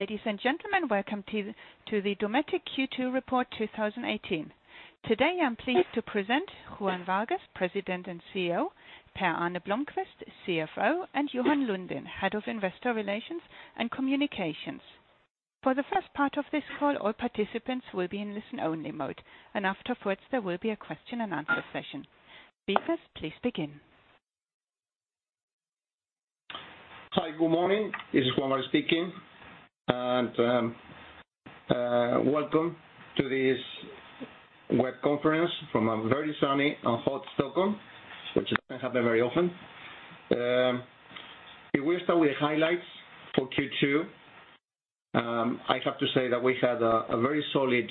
Ladies and gentlemen, welcome to the Dometic Q2 report 2018. Today, I'm pleased to present Juan Vargues, President and CEO, Per-Arne Blomquist, CFO, and Johan Lundin, Head of Investor Relations and Communications. For the first part of this call, all participants will be in listen-only mode. Afterwards, there will be a question and answer session. Speakers, please begin. Hi, good morning. This is Juan Vargues speaking. Welcome to this web conference from a very sunny and hot Stockholm, which doesn't happen very often. If we start with highlights for Q2, I have to say that we had a very solid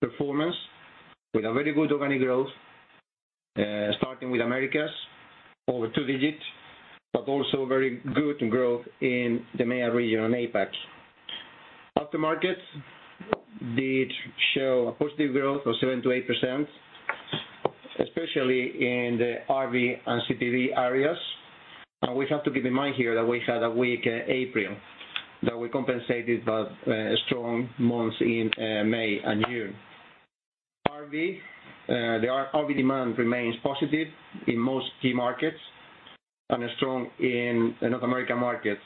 performance with a very good organic growth, starting with Americas, over two digits. Also very good growth in the EMEA region and APAC. Aftermarkets did show a positive growth of 7%-8%, especially in the RV and CPV areas. We have to keep in mind here that we had a weak April, that we compensated by strong months in May and June. RV. The RV demand remains positive in most key markets and is strong in North American markets.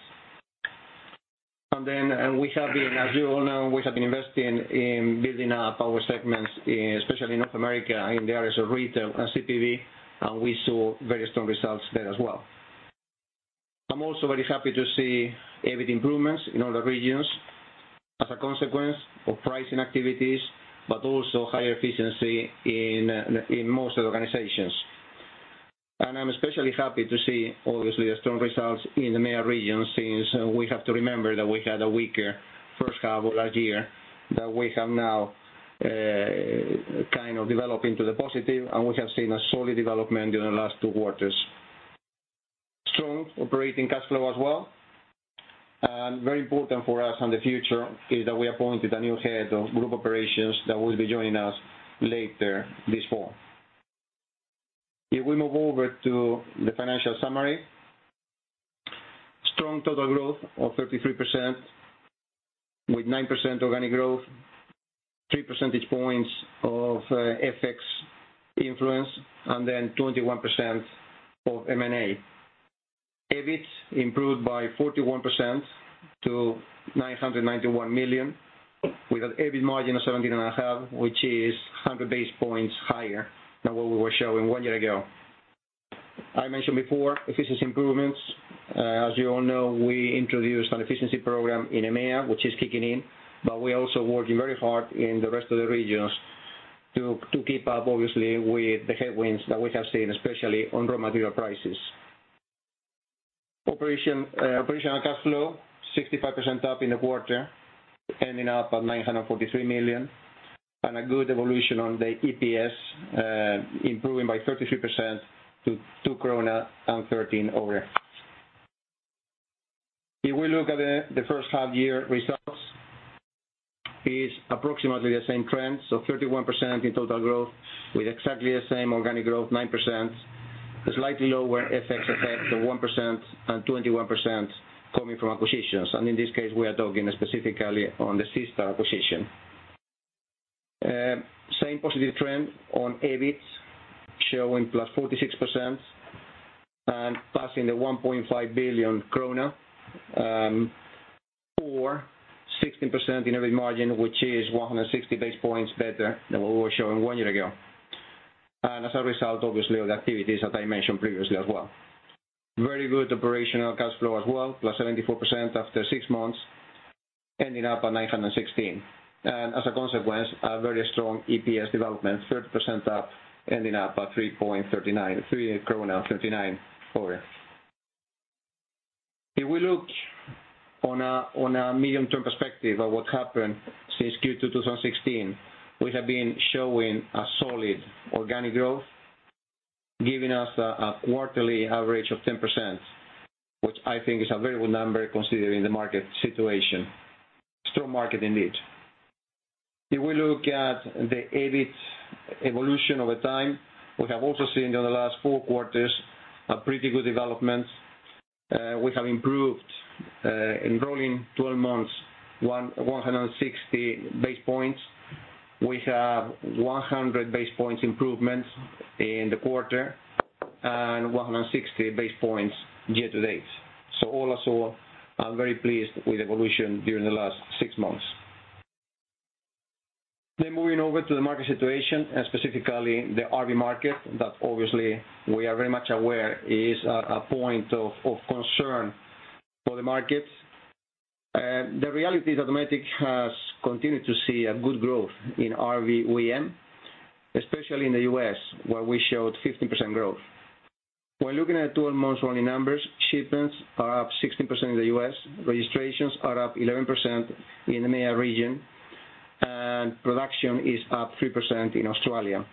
We have been, as you all know, we have been investing in building up our segments, especially in North America, in the areas of retail and CPV. We saw very strong results there as well. I'm also very happy to see EBIT improvements in all the regions as a consequence of pricing activities. Also higher efficiency in most organizations. I'm especially happy to see, obviously, the strong results in the EMEA region since we have to remember that we had a weaker first half of last year that we have now kind of developed into the positive. We have seen a solid development during the last two quarters. Strong operating cash flow as well. Very important for us in the future is that we appointed a new head of group operations that will be joining us later this fall. If we move over to the financial summary. Strong total growth of 33%, with 9% organic growth, three percentage points of FX influence. Then 21% of M&A. EBIT improved by 41% to 991 million, with an EBIT margin of 17.5%, which is 100 basis points higher than what we were showing one year ago. I mentioned before, efficiency improvements. As you all know, we introduced an efficiency program in EMEA, which is kicking in. We are also working very hard in the rest of the regions to keep up, obviously, with the headwinds that we have seen, especially on raw material prices. Operational cash flow, 65% up in the quarter, ending up at 943 million. A good evolution on the EPS, improving by 33% to 2.13 krona. If we look at the first half-year results, is approximately the same trend, 31% in total growth with exactly the same organic growth, 9%, a slightly lower FX effect of 1% and 21% coming from acquisitions. In this case, we are talking specifically on the SeaStar acquisition. Same positive trend on EBIT, showing +46% and passing the 1.5 billion krona, or 16% in EBIT margin, which is 160 basis points better than what we were showing one year ago. As a result, obviously, of the activities that I mentioned previously as well. Very good operational cash flow as well, +74% after six months, ending up at 916. As a consequence, a very strong EPS development, 30% up, ending up at 3.39. If we look on a medium-term perspective of what happened since Q2 2016, we have been showing a solid organic growth, giving us a quarterly average of 10%, which I think is a very good number considering the market situation. Strong market indeed. If we look at the EBIT evolution over time, we have also seen in the last four quarters a pretty good development. We have improved, in rolling 12 months, 160 basis points. We have 100 basis points improvements in the quarter and 160 basis points year-to-date. All in all, I'm very pleased with evolution during the last six months. Moving over to the market situation, and specifically the RV market, that obviously we are very much aware is a point of concern for the markets. The reality is that Dometic has continued to see a good growth in RV OEM, especially in the U.S., where we showed 15% growth. When looking at 12 months running numbers, shipments are up 16% in the U.S., registrations are up 11% in the EMEA region, and production is up 3% in Australia.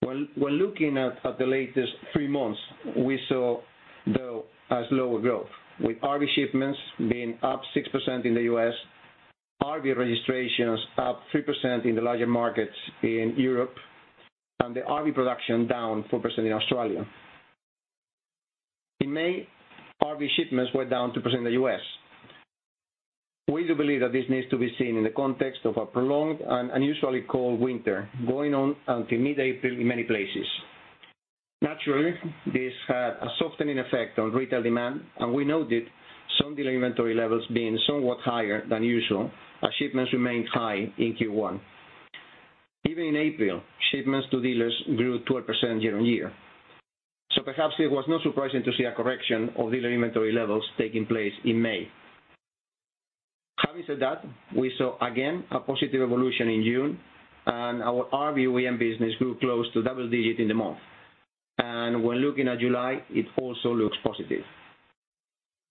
When looking at the latest three months, we saw, though, a slower growth, with RV shipments being up 6% in the U.S., RV registrations up 3% in the larger markets in Europe, and the RV production down 4% in Australia. In May, RV shipments were down 2% in the U.S. We do believe that this needs to be seen in the context of a prolonged and unusually cold winter going on until mid-April in many places. Naturally, this had a softening effect on retail demand. We noted some dealer inventory levels being somewhat higher than usual as shipments remained high in Q1. Even in April, shipments to dealers grew 12% year-on-year. Perhaps it was not surprising to see a correction of dealer inventory levels taking place in May. Having said that, we saw, again, a positive evolution in June and our RV OEM business grew close to double-digit in the month. When looking at July, it also looks positive.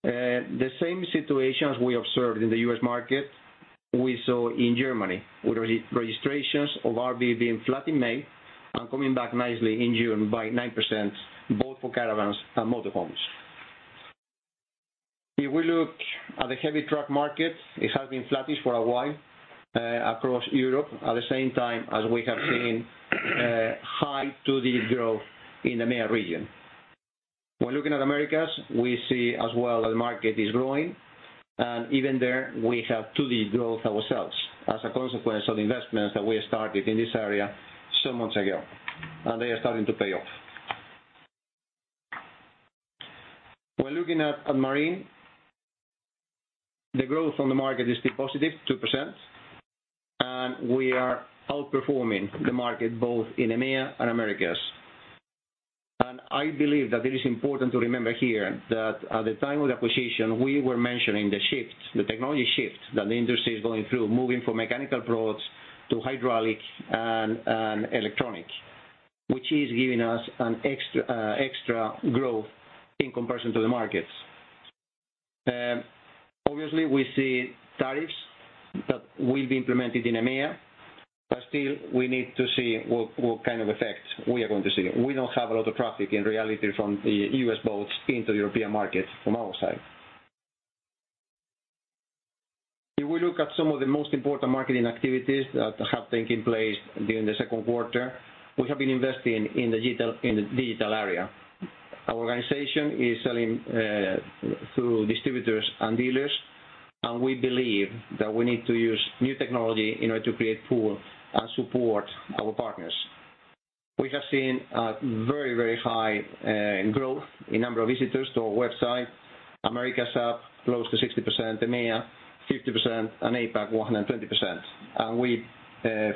The same situations we observed in the U.S. market we saw in Germany, with registrations of RV being flat in May and coming back nicely in June by 9%, both for caravans and motor homes. If we look at the heavy truck market, it has been flattish for a while across Europe, at the same time as we have seen high double-digit growth in the EMEA region. When looking at Americas, we see as well the market is growing, and even there, we have double-digit growth ourselves as a consequence of investments that we started in this area some months ago, and they are starting to pay off. When looking at Marine, the growth on the market is still positive, 2%, and we are outperforming the market both in EMEA and Americas. I believe that it is important to remember here that at the time of the acquisition, we were mentioning the technology shift that the industry is going through, moving from mechanical products to hydraulic and electronic, which is giving us an extra growth in comparison to the markets. Obviously, we see tariffs that will be implemented in EMEA, still, we need to see what kind of effect we are going to see. We don't have a lot of traffic, in reality, from the U.S. boats into European markets from our side. If we look at some of the most important marketing activities that have taken place during the second quarter, we have been investing in the digital area. Our organization is selling through distributors and dealers, and we believe that we need to use new technology in order to create pull and support our partners. We have seen a very high growth in number of visitors to our website. Americas up close to 60%, EMEA 50%, and APAC 120%. We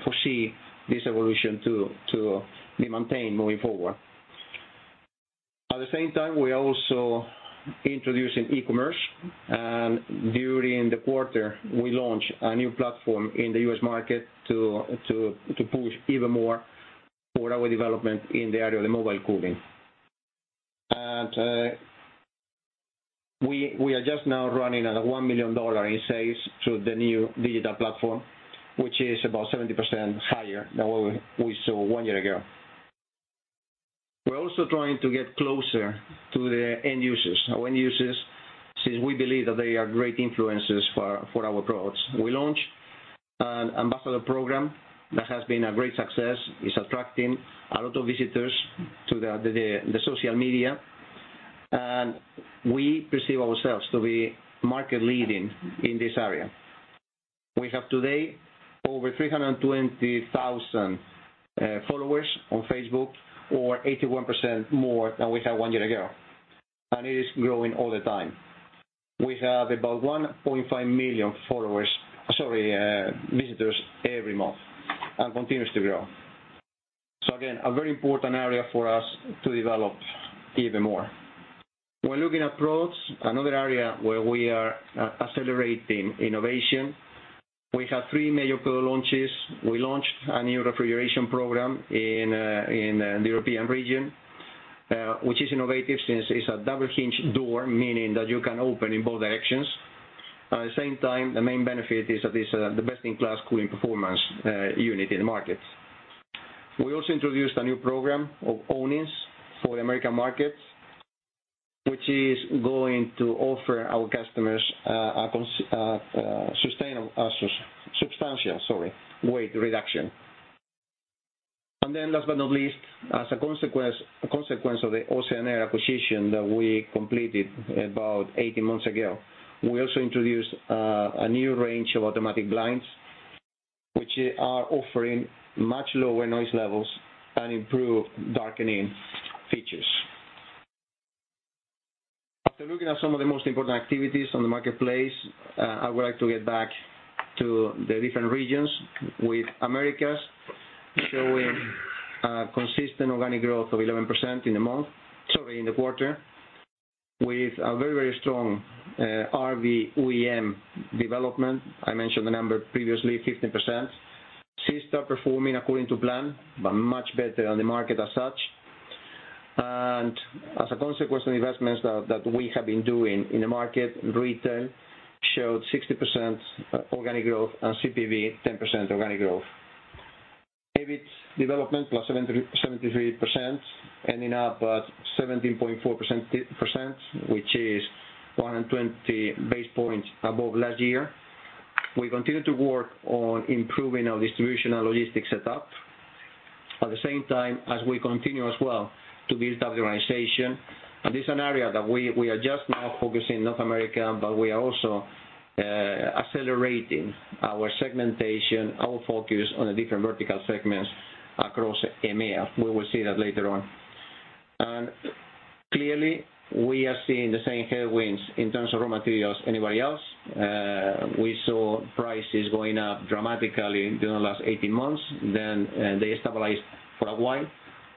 foresee this evolution to be maintained moving forward. At the same time, we are also introducing e-commerce, and during the quarter, we launched a new platform in the U.S. market to push even more for our development in the area of the mobile cooling. We are just now running at a $1 million in sales through the new digital platform, which is about 70% higher than what we saw one year ago. We're also trying to get closer to the end users. Our end users, since we believe that they are great influencers for our products. We launched an ambassador program that has been a great success. It's attracting a lot of visitors to the social media. We perceive ourselves to be market leading in this area. We have today over 320,000 followers on Facebook or 81% more than we had one year ago. It is growing all the time. We have about 1.5 million visitors every month, and continues to grow. Again, a very important area for us to develop even more. When looking at products, another area where we are accelerating innovation. We have three major product launches. We launched a new refrigeration program in the European region, which is innovative since it's a double hinge door, meaning that you can open in both directions. At the same time, the main benefit is that it's the best-in-class cooling performance unit in the market. We also introduced a new program of awnings for the American market, which is going to offer our customers a substantial weight reduction. Last but not least, as a consequence of the Oceanair acquisition that we completed about 18 months ago, we also introduced a new range of automatic blinds, which are offering much lower noise levels and improved darkening features. After looking at some of the most important activities on the marketplace, I would like to get back to the different regions with Americas showing a consistent organic growth of 11% in the quarter with a very strong RV OEM development. I mentioned the number previously, 15%. SeaStar performing according to plan, but much better than the market as such. As a consequence of the investments that we have been doing in the market, retail showed 60% organic growth and CPV 10% organic growth. EBIT development +73%, ending up at 17.4%, which is 120 basis points above last year. We continue to work on improving our distribution and logistics setup. At the same time as we continue as well to build up the organization. This is an area that we are just now focusing North America, but we are also accelerating our segmentation, our focus on the different vertical segments across EMEA. We will see that later on. Clearly, we are seeing the same headwinds in terms of raw materials anybody else. We saw prices going up dramatically during the last 18 months. Then they stabilized for a while,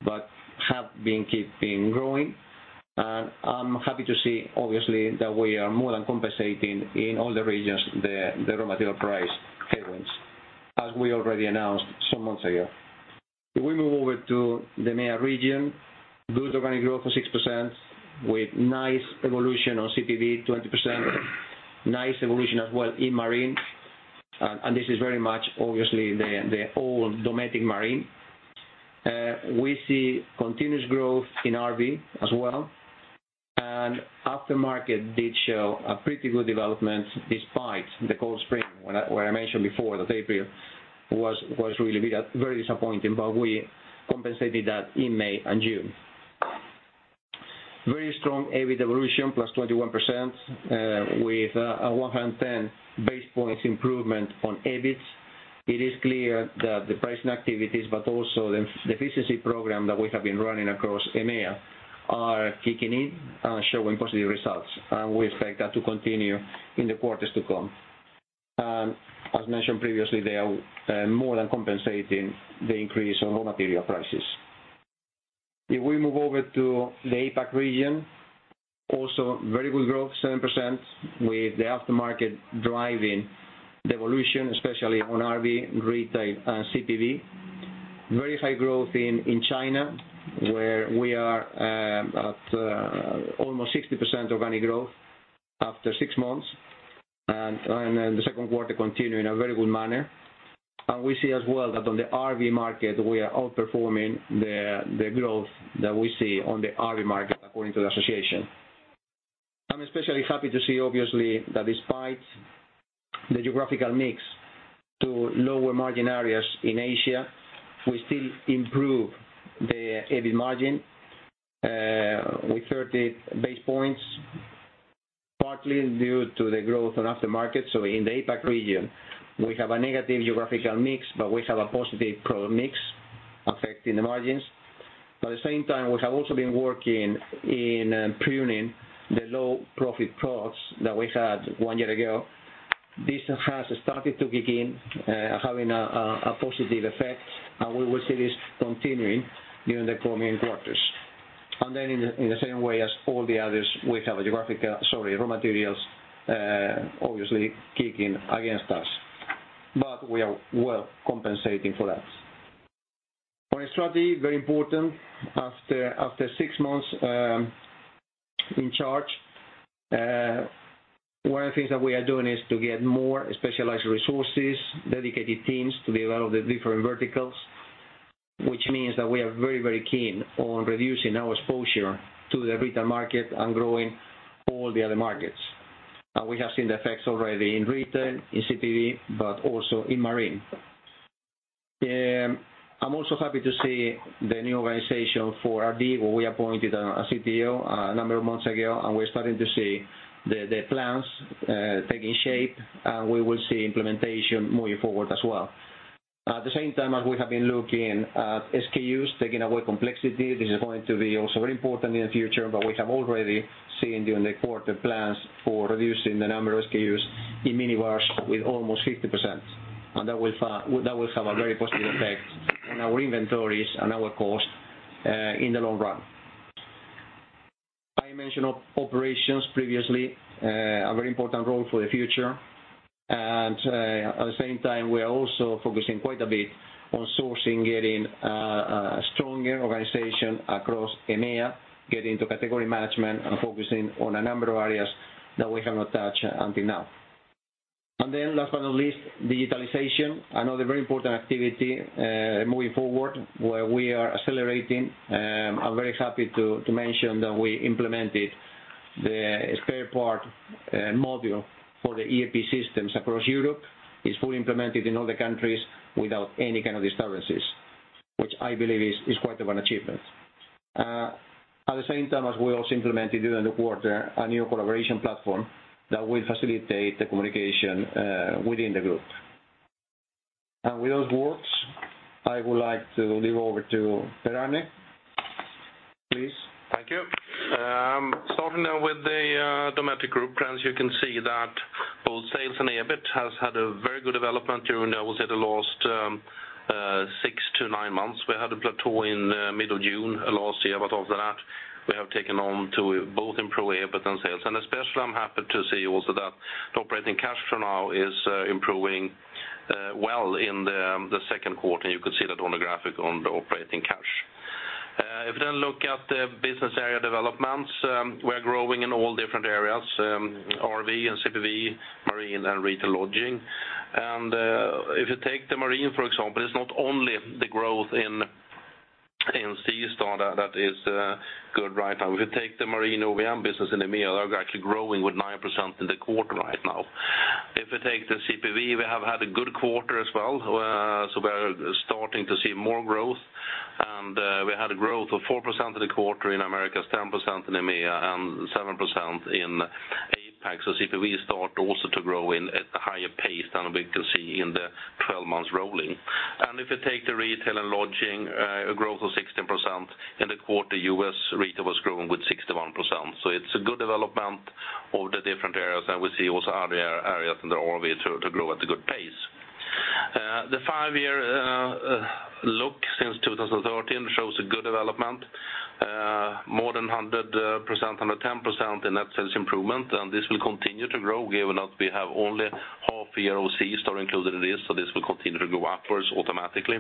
but have been keeping growing. I'm happy to see, obviously, that we are more than compensating in all the regions, the raw material price headwinds, as we already announced some months ago. If we move over to the EMEA region, good organic growth of 6% with nice evolution on CPV, 20%. Nice evolution as well in Marine. This is very much obviously the old Dometic Marine. We see continuous growth in RV as well. Aftermarket did show a pretty good development despite the cold spring, where I mentioned before that April was really very disappointing, but we compensated that in May and June. Very strong EBIT evolution, +21%, with a 110 basis points improvement on EBIT. It is clear that the pricing activities, but also the efficiency program that we have been running across EMEA are kicking in and showing positive results, and we expect that to continue in the quarters to come. As mentioned previously, they are more than compensating the increase on raw material prices. If we move over to the APAC region, also very good growth, 7%, with the aftermarket driving the evolution, especially on RV, retail, and CPV. Very high growth in China, where we are at almost 60% organic growth after six months, and the second quarter continue in a very good manner. We see as well that on the RV market, we are outperforming the growth that we see on the RV market according to the association. I'm especially happy to see, obviously, that despite the geographical mix to lower margin areas in Asia, we still improve the EBIT margin with 30 basis points, partly due to the growth on aftermarket. So in the APAC region, we have a negative geographical mix, but we have a positive product mix affecting the margins. At the same time, we have also been working in pruning the low profit products that we had one year ago. This has started to begin having a positive effect, and we will see this continuing during the coming quarters. Then in the same way as all the others, we have sorry, raw materials, obviously kicking against us. We are well compensating for that. On strategy, very important, after six months in charge, one of the things that we are doing is to get more specialized resources, dedicated teams to develop the different verticals, which means that we are very keen on reducing our exposure to the retail market and growing all the other markets. We have seen the effects already in retail, in CPV, but also in marine. I am also happy to see the new organization for RV, where we appointed a CTO a number of months ago, and we are starting to see the plans taking shape, and we will see implementation moving forward as well. At the same time, as we have been looking at SKUs, taking away complexity, this is going to be also very important in the future, but we have already seen during the quarter plans for reducing the number of SKUs in minibars with almost 50%. That will have a very positive effect on our inventories and our cost in the long run. I mentioned operations previously, a very important role for the future. At the same time, we are also focusing quite a bit on sourcing, getting a stronger organization across EMEA, getting to category management and focusing on a number of areas that we have not touched until now. Then last but not least, digitalization, another very important activity moving forward where we are accelerating. I am very happy to mention that we implemented the spare part module for the ERP systems across Europe. It is fully implemented in all the countries without any kind of disturbances, which I believe is quite of an achievement. At the same time as we also implemented during the quarter a new collaboration platform that will facilitate the communication within the group. With those words, I would like to leave over to Per-Arne, please. Thank you. Starting now with the Dometic Group. As you can see that both sales and EBIT has had a very good development during, I would say, the last six to nine months. We had a plateau in middle June last year, but after that, we have taken on to both improve EBIT and sales. Especially, I am happy to see also that the operating cash flow now is improving well in the second quarter. You could see that on the graphic on the operating cash. If you look at the business area developments, we are growing in all different areas, RV and CPV, marine and retail lodging. If you take the marine, for example, it is not only the growth in SeaStar that is good right now. If we take the Marine OEM business in EMEA, they are actually growing with 9% in the quarter right now. If we take the CPV, we have had a good quarter as well, we are starting to see more growth. We had a growth of 4% in the quarter in Americas, 10% in EMEA, and 7% in APAC. CPV starts also to grow at a higher pace than we can see in the 12 months rolling. If you take the retail and lodging, a growth of 16% in the quarter. U.S. retail was growing with 61%. It's a good development of the different areas. We see also other areas in the RV to grow at a good pace. The 5-year look since 2013 shows a good development, more than 110% in net sales improvement. This will continue to grow given that we have only half year of SeaStar included in this. This will continue to go upwards automatically.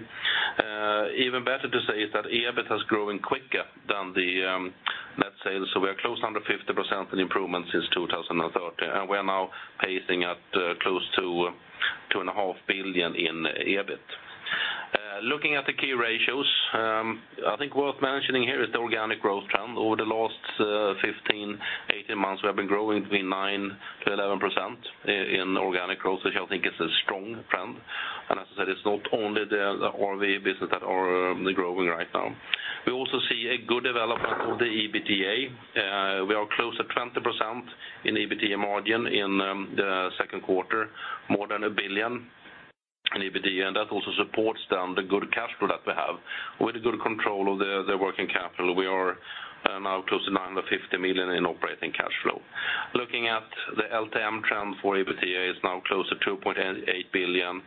Even better to say is that EBIT has grown quicker than the net sales. We are close to 150% in improvement since 2013. We are now pacing at close to 2.5 billion in EBIT. Looking at the key ratios, I think worth mentioning here is the organic growth trend. Over the last 15-18 months, we have been growing between 9%-11% in organic growth, which I think is a strong trend. As I said, it's not only the RV business that are growing right now. We also see a good development of the EBITDA. We are close to 20% in EBITDA margin in the second quarter, more than 1 billion in EBITDA. That also supports then the good cash flow that we have. With good control of the working capital, we are now close to 950 million in operating cash flow. Looking at the LTM trend for EBITDA is now close to 2.8 billion,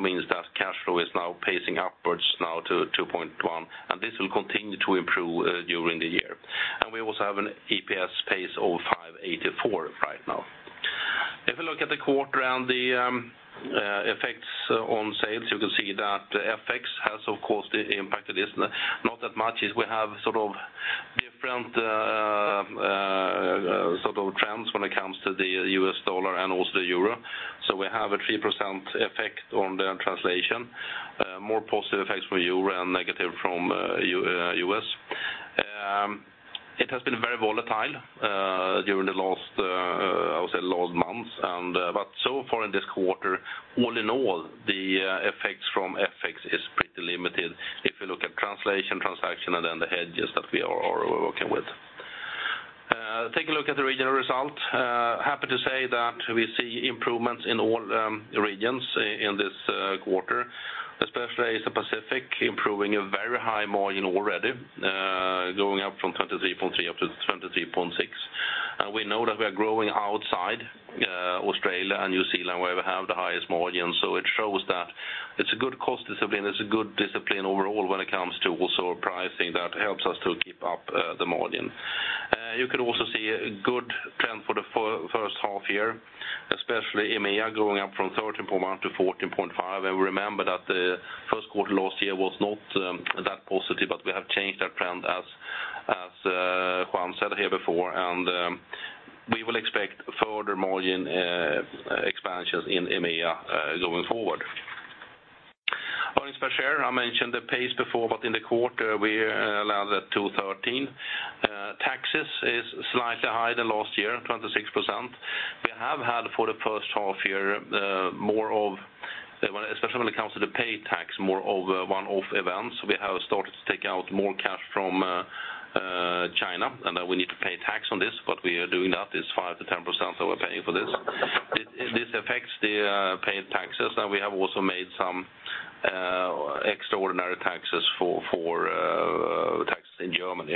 means that cash flow is now pacing upwards now to 2.1 billion. This will continue to improve during the year. We also have an EPS pace of 5.84 right now. If we look at the quarter and the effects on sales, you can see that FX has, of course, impacted this. Not that much as we have different sort of trends when it comes to the U.S. dollar and also the euro. We have a 3% effect on the translation. More positive effects for euro and negative from U.S. It has been very volatile during the last months, but so far in this quarter, all in all, the effects from FX is pretty limited if you look at translation, transaction, and then the hedges that we are working with. Taking a look at the regional results. Happy to say that we see improvements in all the regions in this quarter, especially Asia Pacific, improving a very high margin already, going up from 23.3%-23.6%. We know that we are growing outside Australia and New Zealand, where we have the highest margin. It shows that it's a good cost discipline. It's a good discipline overall when it comes to also our pricing that helps us to keep up the margin. You can also see a good trend for the first half-year, especially EMEA going up from 13.1%-14.5%. Remember that the first quarter last year was not that positive, but we have changed that trend as Juan said here before. We will expect further margin expansions in EMEA going forward. In the quarter we landed at 2.13. Taxes are slightly higher than last year, 26%. We have had for the first half year, especially when it comes to the paid tax, more of one-off events. We have started to take out more cash from China. We need to pay tax on this. What we are doing that is 5%-10% that we are paying for this. This affects the paid taxes. We have also made some extraordinary taxes for taxes in Germany.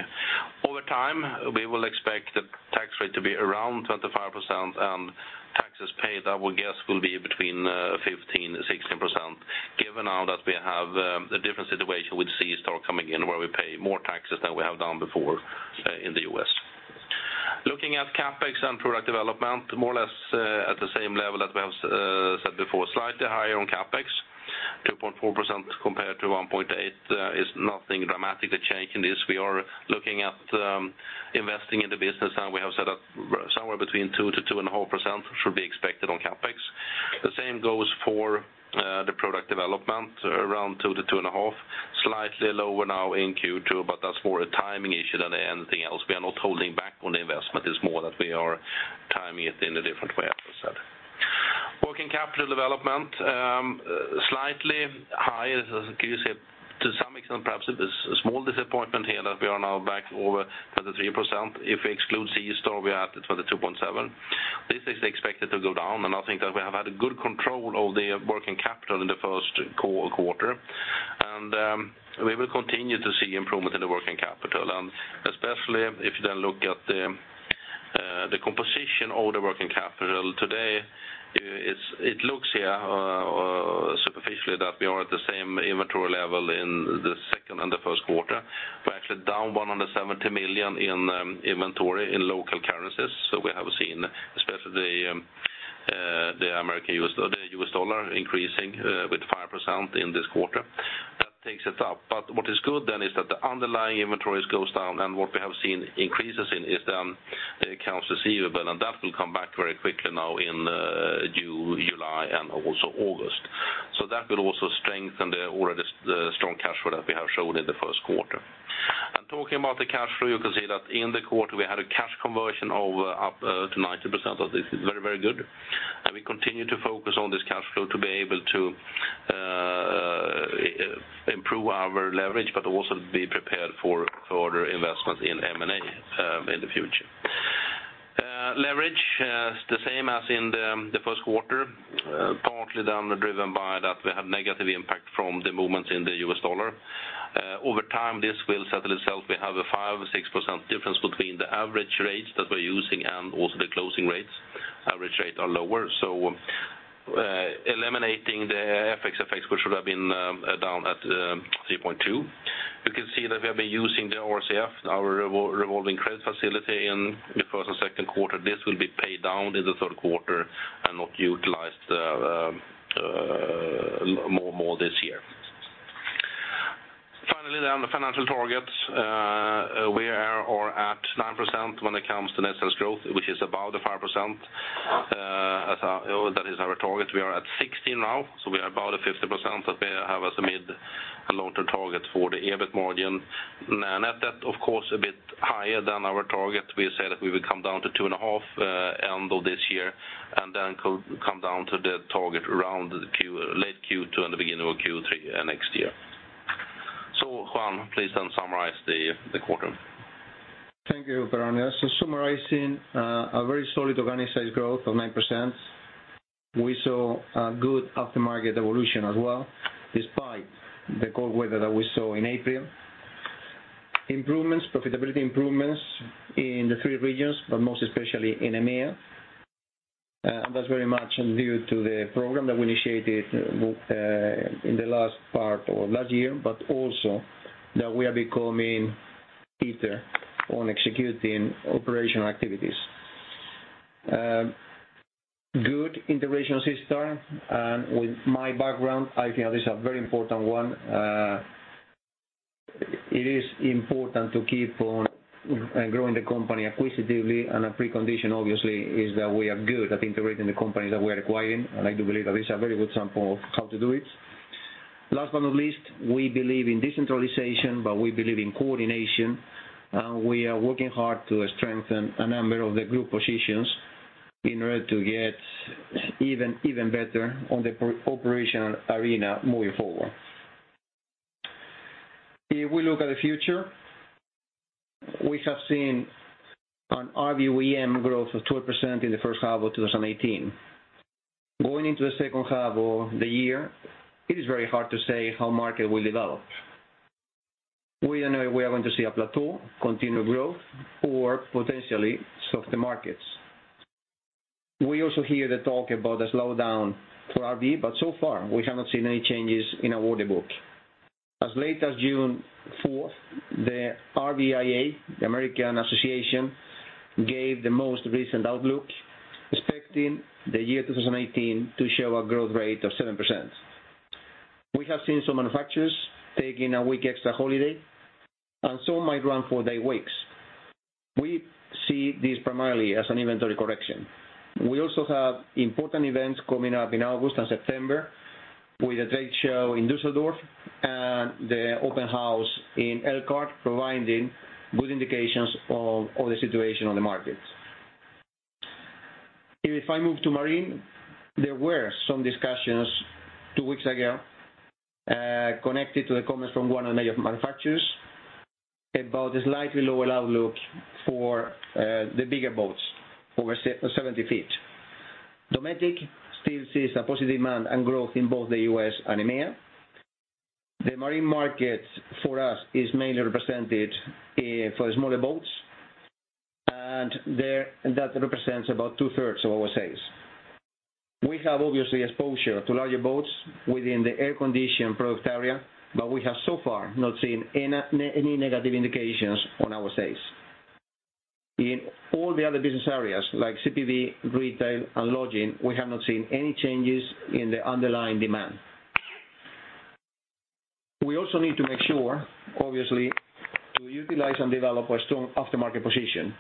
Over time, we will expect the tax rate to be around 25%. Taxes paid, I would guess, will be between 15% and 16%, given now that we have a different situation with SeaStar coming in where we pay more taxes than we have done before in the U.S. Looking at CapEx and product development, more or less at the same level that we have said before. Slightly higher on CapEx, 2.4% compared to 1.8%, is nothing dramatically changed in this. We are looking at investing in the business. We have said that somewhere between 2%-2.5% should be expected on CapEx. The same goes for the product development, around 2%-2.5%. Slightly lower now in Q2. That is more a timing issue than anything else. We are not holding back on the investment. It is more that we are timing it in a different way, as I said. Working capital development, slightly high. As you can see, to some extent, perhaps a small disappointment here that we are now back over 33%. If we exclude SeaStar, we are at 22.7%. This is expected to go down. I think that we have had a good control of the working capital in the first quarter. We will continue to see improvement in the working capital. Especially if you then look at the composition of the working capital today, it looks here superficially that we are at the same inventory level in the second and the first quarter. We are actually down 170 million in inventory in local currencies. We have seen especially the U.S. dollar increasing with 5% in this quarter. That takes it up. What is good then is that the underlying inventories go down. What we have seen increases in is then accounts receivable. That will come back very quickly now in August. That will also strengthen the already strong cash flow that we have shown in the first quarter. Talking about the cash flow, you can see that in the quarter we had a cash conversion of up to 90%. This is very, very good. We continue to focus on this cash flow to be able to improve our leverage, but also be prepared for further investments in M&A in the future. Leverage is the same as in the first quarter, partly driven by that we have negative impact from the movements in the U.S. dollar. Over time, this will settle itself. We have a 5%-6% difference between the average rates that we are using and also the closing rates. Average rates are lower. Eliminating the FX effects, we should have been down at 3.2. You can see that we have been using the RCF, our revolving credit facility, in the first and second quarter. This will be paid down in the third quarter and not utilized more this year. On the financial targets, we are at 9% when it comes to net sales growth, which is above the 5%. That is our target. We are at 16 now, we are above the 15% that we have as a mid- and long-term target for the EBIT margin. At that, of course, a bit higher than our target. We said that we would come down to two and a half end of this year, come down to the target around late Q2 and the beginning of Q3 next year. Juan, please summarize the quarter. Thank you, Per-Arne. Summarizing, a very solid organic sales growth of 9%. We saw a good aftermarket evolution as well, despite the cold weather that we saw in April. Profitability improvements in the three regions, most especially in EMEA. That's very much due to the program that we initiated both in the last part of last year, also that we are becoming keener on executing operational activities. Good integration of SeaStar, with my background, I feel this is a very important one. It is important to keep on growing the company acquisitively, a precondition, obviously, is that we are good at integrating the companies that we are acquiring. I like to believe that this is a very good example of how to do it. Last but not least, we believe in decentralization, we believe in coordination, we are working hard to strengthen a number of the group positions in order to get even better on the operational arena moving forward. If we look at the future, we have seen an RV OEM growth of 12% in the first half of 2018. Going into the second half of the year, it is very hard to say how market will develop. We don't know if we are going to see a plateau, continued growth, or potentially softer markets. We also hear the talk about a slowdown for RV, so far we have not seen any changes in our order book. As late as June 4th, the RVIA, the American Association, gave the most recent outlook, expecting the year 2018 to show a growth rate of 7%. We have seen some manufacturers taking a week extra holiday, some might run four-day weeks. We see this primarily as an inventory correction. We also have important events coming up in August and September with a trade show in Düsseldorf and the open house in Elkhart providing good indications of the situation on the market. If I move to marine, there were some discussions two weeks ago, connected to the comments from one of the major manufacturers about a slightly lower outlook for the bigger boats over 70 feet. Dometic still sees a positive demand and growth in both the U.S. and EMEA. The marine market for us is mainly represented for the smaller boats, that represents about two-thirds of our sales. We have, obviously, exposure to larger boats within the air condition product area, we have so far not seen any negative indications on our sales. In all the other business areas like CPV, retail, and lodging, we have not seen any changes in the underlying demand. We also need to make sure, obviously, to utilize and develop a strong aftermarket position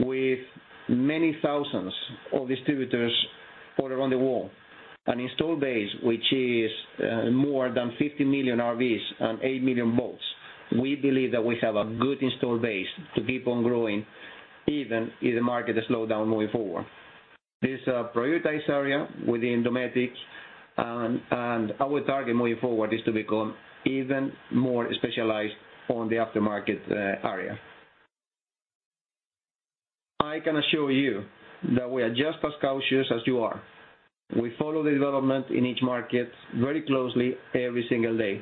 with many thousands of distributors all around the world, an install base which is more than 50 million RVs and 8 million boats. We believe that we have a good install base to keep on growing, even if the market slowdown moving forward. This is a prioritized area within Dometic, and our target moving forward is to become even more specialized on the aftermarket area. I can assure you that we are just as cautious as you are. We follow the development in each market very closely every single day.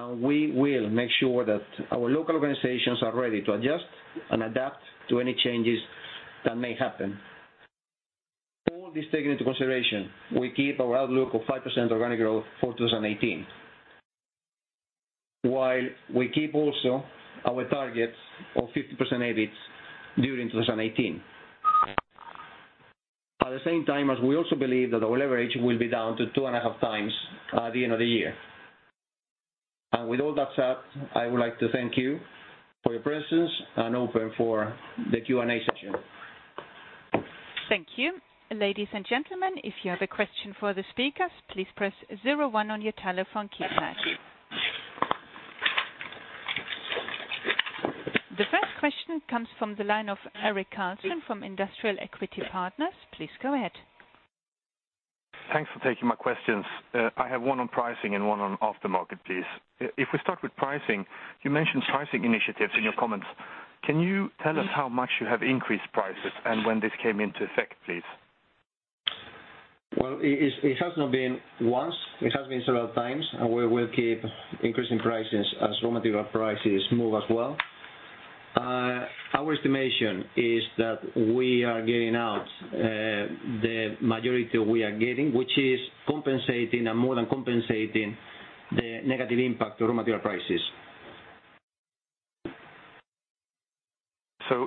We will make sure that our local organizations are ready to adjust and adapt to any changes that may happen. All this taken into consideration, we keep our outlook of 5% organic growth for 2018, while we keep also our targets of 15% EBIT during 2018. At the same time as we also believe that our leverage will be down to 2.5 times at the end of the year. With all that said, I would like to thank you for your presence and open for the Q&A session. Thank you. Ladies and gentlemen, if you have a question for the speakers, please press 01 on your telephone keypad. The first question comes from the line of Eric Carlson from Industrial Equity Partners. Please go ahead. Thanks for taking my questions. I have one on pricing and one on aftermarket, please. If we start with pricing, you mentioned pricing initiatives in your comments. Can you tell us how much you have increased prices and when this came into effect, please? It has not been once. It has been several times, we will keep increasing prices as raw material prices move as well. Our estimation is that we are getting out the majority we are getting, which is compensating and more than compensating the negative impact of raw material prices.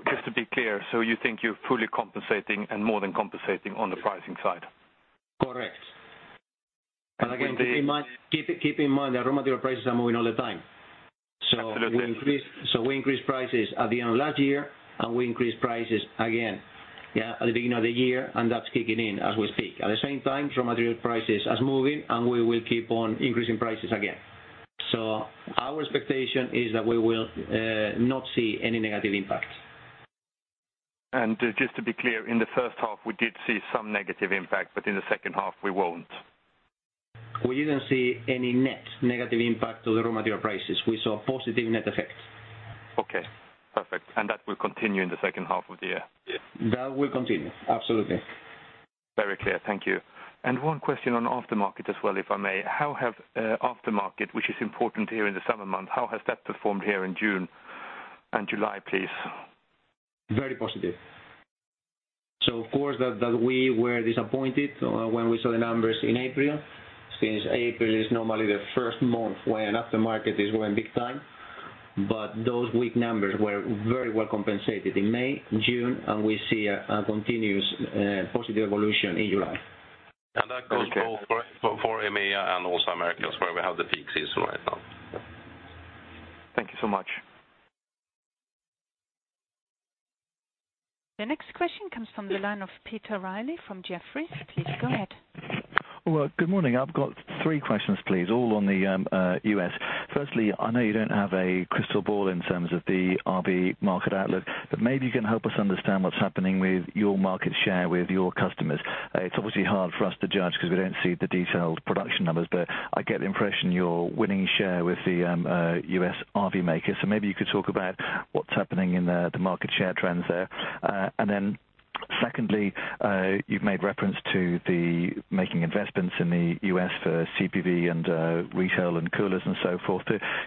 Just to be clear, so you think you're fully compensating and more than compensating on the pricing side? Correct. Again, keep in mind, the raw material prices are moving all the time. Absolutely. We increased prices at the end of last year, we increased prices again at the beginning of the year, that's kicking in as we speak. At the same time, raw material prices are moving, we will keep on increasing prices again. Our expectation is that we will not see any negative impact. Just to be clear, in the first half, we did see some negative impact, but in the second half, we won't. We didn't see any net negative impact of the raw material prices. We saw a positive net effect. Okay. Perfect. That will continue in the second half of the year? That will continue, absolutely. Very clear. Thank you. One question on aftermarket as well, if I may. How have aftermarket, which is important here in the summer months, how has that performed here in June and July, please? Very positive. Of course, that we were disappointed when we saw the numbers in April, since April is normally the first month when aftermarket is going big time. Those weak numbers were very well compensated in May, June, and we see a continuous positive evolution in July. Okay. That goes both for EMEA and also Americas, where we have the peak season right now. Thank you so much. The next question comes from the line of Peter Reilly from Jefferies. Please go ahead. Well, good morning. I've got three questions, please, all on the U.S. Firstly, I know you don't have a crystal ball in terms of the RV market outlook, but maybe you can help us understand what's happening with your market share with your customers. It's obviously hard for us to judge because we don't see the detailed production numbers, but I get the impression you're winning share with the U.S. RV makers. Maybe you could talk about what's happening in the market share trends there. Secondly, you've made reference to the making investments in the U.S. for CPV and retail and coolers and so forth.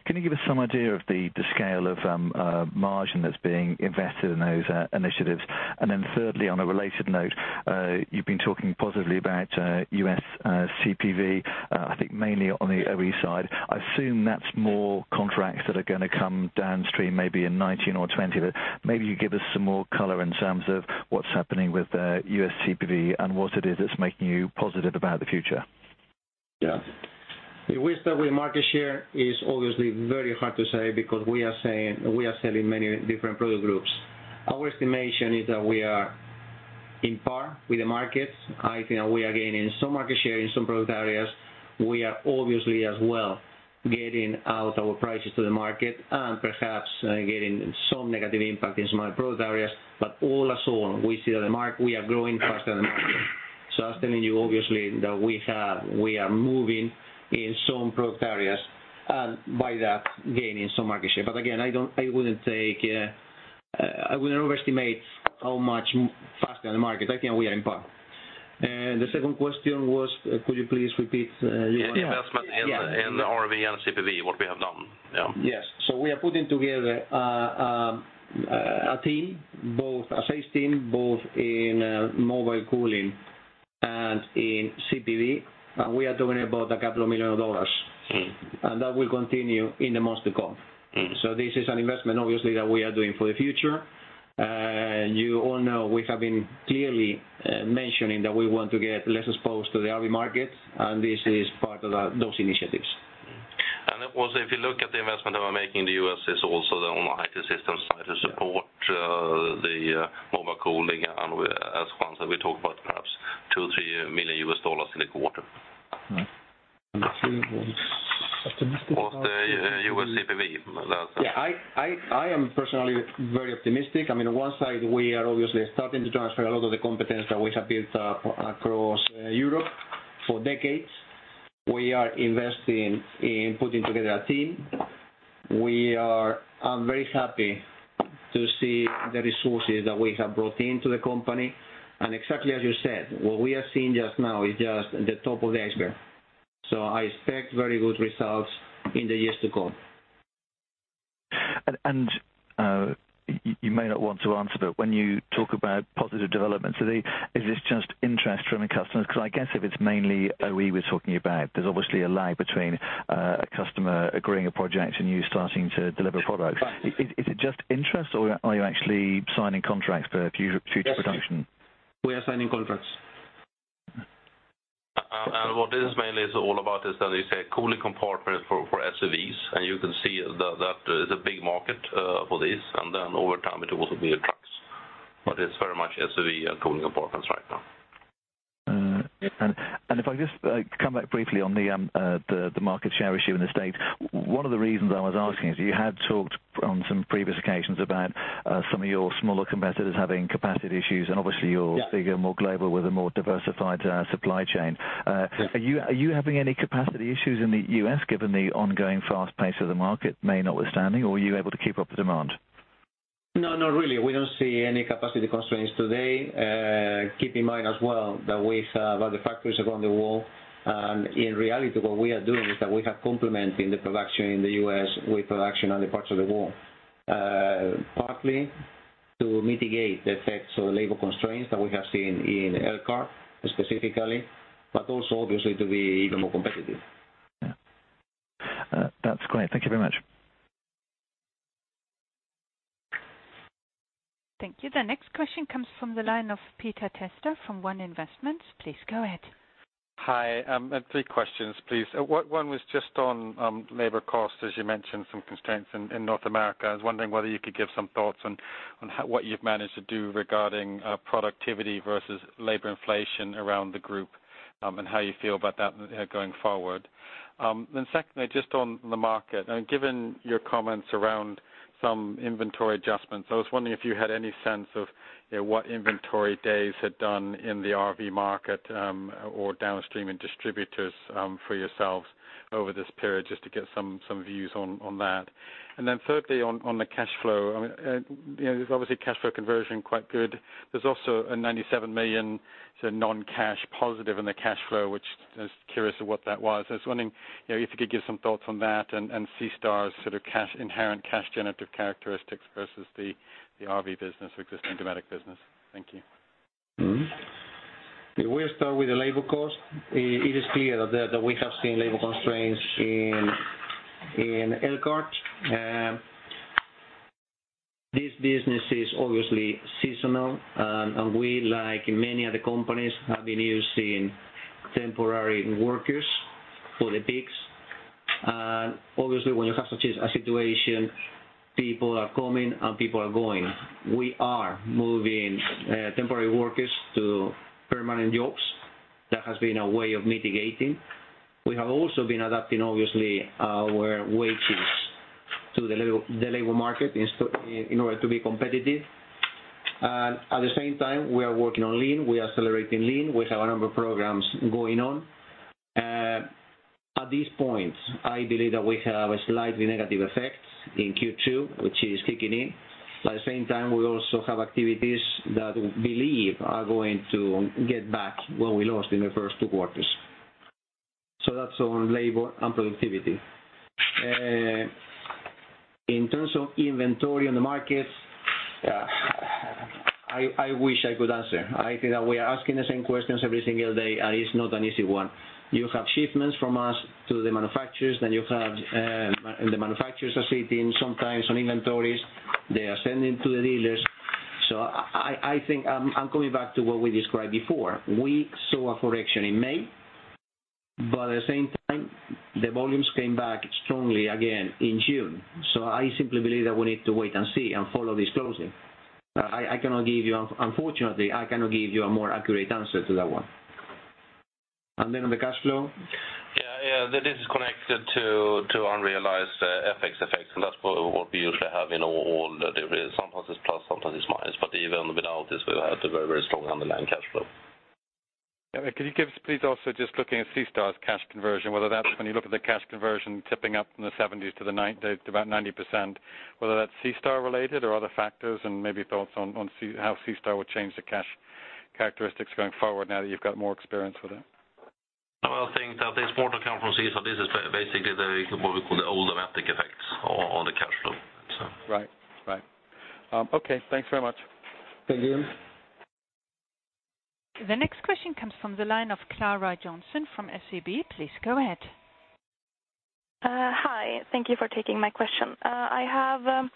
Can you give us some idea of the scale of margin that's being invested in those initiatives? Thirdly, on a related note, you've been talking positively about U.S. CPV, I think mainly on the OEM side. I assume that's more contracts that are going to come downstream, maybe in 2019 or 2020. Maybe you give us some more color in terms of what's happening with U.S. CPV and what it is that's making you positive about the future. Yeah. With the market share is obviously very hard to say because we are selling many different product groups. Our estimation is that we are in par with the markets. I think we are gaining some market share in some product areas. We are obviously as well getting out our prices to the market and perhaps getting some negative impact in some product areas. All as one, we see that we are growing faster than the market. That's telling you obviously that we are moving in some product areas, and by that, gaining some market share. Again, I wouldn't overestimate how much faster than the market. I think we are in par. The second question was, could you please repeat? Investment in RV and CPV, what we have done. Yes. We are putting together a team, a sales team, both in mobile cooling and in CPV, and we are talking about SEK a couple of million. That will continue in the months to come. This is an investment, obviously, that we are doing for the future. You all know we have been clearly mentioning that we want to get less exposed to the RV market, and this is part of those initiatives. Also, if you look at the investment that we're making in the U.S., it's also on the IT systems to support the mobile cooling. As Juan said, we talk about perhaps two or three million U.S. dollars in the quarter. All right. The third one was optimistic about. Was the U.S. CPV. Yeah. I am personally very optimistic. On one side, we are obviously starting to transfer a lot of the competence that we have built up across Europe for decades. We are investing in putting together a team. I am very happy to see the resources that we have brought into the company. Exactly as you said, what we are seeing just now is just the top of the iceberg. I expect very good results in the years to come. You may not want to answer, but when you talk about positive developments, is this just interest from the customers? Because I guess if it's mainly OE we're talking about, there's obviously a lag between a customer agreeing a project and you starting to deliver product. Is it just interest, or are you actually signing contracts for future production? Yes. We are signing contracts What this mainly is all about is that it's a cooling compartment for SUVs, and you can see that there's a big market for this. Then over time, it will also be in trucks. It's very much SUV cooling compartments right now. If I just come back briefly on the market share issue in the U.S., one of the reasons I was asking is you had talked on some previous occasions about some of your smaller competitors having capacity issues, and obviously you're bigger, more global with a more diversified supply chain. Are you having any capacity issues in the U.S. given the ongoing fast pace of the market, May notwithstanding, or were you able to keep up with demand? No, not really. We don't see any capacity constraints today. Keep in mind as well that we have other factories around the world. In reality, what we are doing is that we are complementing the production in the U.S. with production in other parts of the world. Partly to mitigate the effects of labor constraints that we have seen in Elkhart specifically, also obviously to be even more competitive. Yeah. That's great. Thank you very much. Thank you. The next question comes from the line of Peter Testa from One Investments. Please go ahead. Hi. I have three questions, please. One was just on labor costs. As you mentioned, some constraints in North America. I was wondering whether you could give some thoughts on what you've managed to do regarding productivity versus labor inflation around the group, and how you feel about that going forward. Secondly, just on the market, and given your comments around some inventory adjustments, I was wondering if you had any sense of what inventory days had done in the RV market or downstream in distributors for yourselves over this period, just to get some views on that. Thirdly, on the cash flow. Obviously cash flow conversion, quite good. There's also a 97 million non-cash positive in the cash flow, which I was curious of what that was. I was wondering if you could give some thoughts on that and SeaStar's sort of inherent cash generative characteristics versus the RV business or existing Dometic business. Thank you. We'll start with the labor cost. It is clear that we have seen labor constraints in Elkhart. This business is obviously seasonal, and we, like many other companies, have been using temporary workers for the peaks. Obviously, when you have such a situation, people are coming, and people are going. We are moving temporary workers to permanent jobs. That has been a way of mitigating. We have also been adapting, obviously, our wages to the labor market in order to be competitive. At the same time, we are working on Lean. We are celebrating Lean. We have a number of programs going on. At this point, I believe that we have a slightly negative effect in Q2, which is kicking in. At the same time, we also have activities that we believe are going to get back what we lost in the first two quarters. That's on labor and productivity. In terms of inventory on the markets, I wish I could answer. I think that we are asking the same questions every single day, and it's not an easy one. You have shipments from us to the manufacturers, the manufacturers are sitting sometimes on inventories. They are sending to the dealers. I'm coming back to what we described before. We saw a correction in May, at the same time, the volumes came back strongly again in June. I simply believe that we need to wait and see and follow this closely. Unfortunately, I cannot give you a more accurate answer to that one. On the cash flow. This is connected to unrealized FX effects, that's what we usually have in all the divisions. Sometimes it's plus, sometimes it's minus. Even without this, we have a very strong underlying cash flow. Can you give us, please, also just looking at SeaStar's cash conversion, when you look at the cash conversion tipping up from the 70s to about 90%, whether that's SeaStar related or other factors, maybe thoughts on how SeaStar would change the cash characteristics going forward now that you've got more experience with it? I think that this quarter come from SeaStar. This is basically what we call the old Dometic effects on the cash flow. Right. Okay, thanks very much. Thank you. The next question comes from the line of Clara Johnson from SEB. Please go ahead. Hi. Thank you for taking my question. I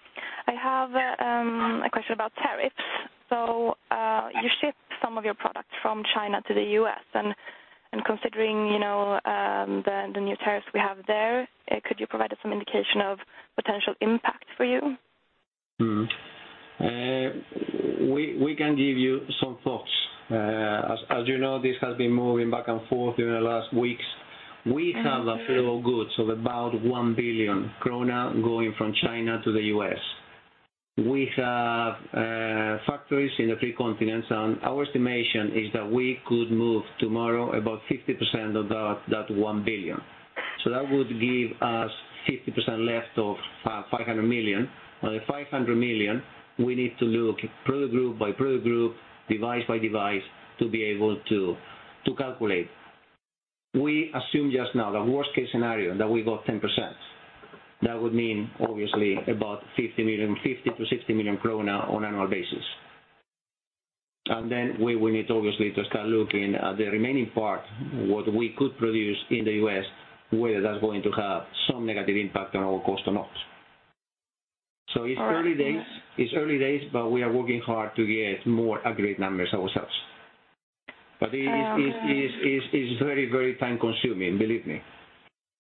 have a question about tariffs. You ship some of your products from China to the U.S., and considering the new tariffs we have there, could you provide us some indication of potential impact for you? We can give you some thoughts. As you know, this has been moving back and forth during the last weeks. We have a flow of goods of about 1 billion krona going from China to the U.S. We have factories in the three continents, and our estimation is that we could move tomorrow about 50% of that 1 billion. That would give us 50% less of 500 million. On the 500 million, we need to look product group by product group, device by device, to be able to calculate. We assume just now the worst-case scenario, that we got 10%. That would mean obviously about 50 million-60 million krona on an annual basis. Then we would need obviously to start looking at the remaining part, what we could produce in the U.S., whether that's going to have some negative impact on our cost or not. It's early days. It's early days, but we are working hard to get more accurate numbers ourselves. It is very time-consuming, believe me.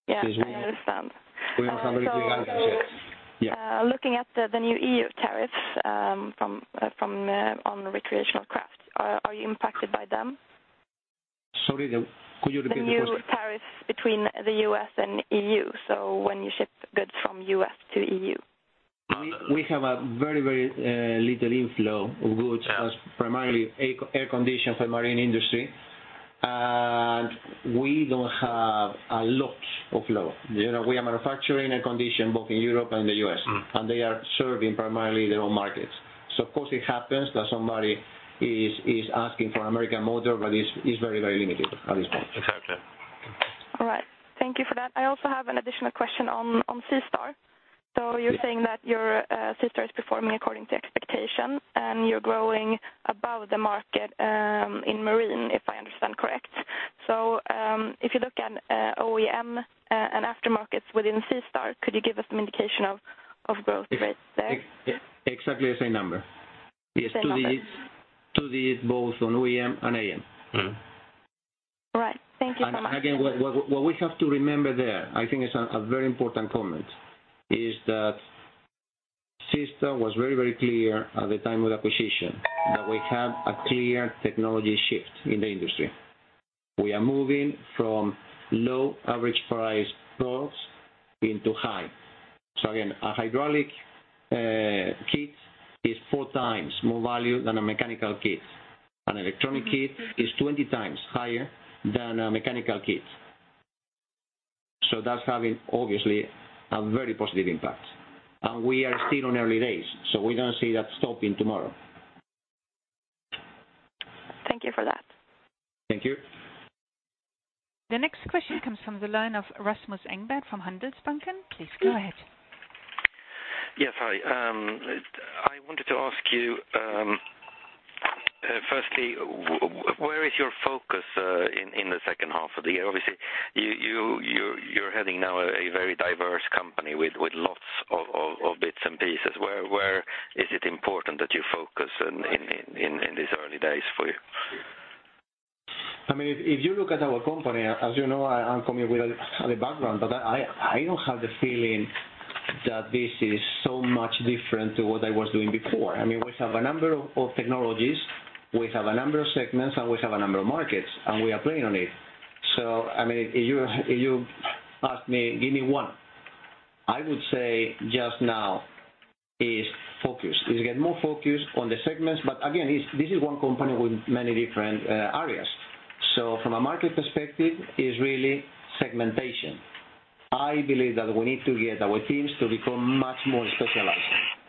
Yeah, I understand. We don't have a very clear answer yet. Yeah. Looking at the new E.U. tariffs on recreational crafts, are you impacted by them? Sorry, could you repeat the question? The new tariffs between the U.S. and E.U., so when you ship goods from the U.S. to E.U. We have a very little inflow of goods. That's primarily air condition for marine industry. We don't have a lot of flow. We are manufacturing air condition both in Europe and the U.S., and they are serving primarily their own markets. Of course it happens that somebody is asking for American motor, but it's very limited at this point. Okay. All right. Thank you for that. I also have an additional question on SeaStar. You're saying that your SeaStar is performing according to expectation, and you're growing above the market, in marine, if I understand correct? If you look at OEM and aftermarkets within SeaStar, could you give us some indication of growth rates there? Exactly the same number. Same numbers? To these both on OEM and AM. Right. Thank you so much. Again, what we have to remember there, I think it's a very important comment, is that SeaStar was very clear at the time of acquisition that we have a clear technology shift in the industry. We are moving from low average price products into high. Again, a hydraulic kit is four times more value than a mechanical kit. An electronic kit is 20 times higher than a mechanical kit. That's having, obviously, a very positive impact. We are still on early days, so we don't see that stopping tomorrow. Thank you for that. Thank you. The next question comes from the line of Rasmus Engberg from Handelsbanken. Please go ahead. Yes, hi. I wanted to ask you, firstly, where is your focus in the second half of the year? Obviously, you're heading now a very diverse company with lots of bits and pieces. Where is it important that you focus in these early days for you? If you look at our company, as you know, I'm coming with a background, but I don't have the feeling that this is so much different to what I was doing before. We have a number of technologies, we have a number of segments, and we have a number of markets, and we are planning on it. If you ask me, give me one. I would say just now is focus. Is get more focus on the segments. Again, this is one company with many different areas. From a market perspective, is really segmentation. I believe that we need to get our teams to become much more specialized.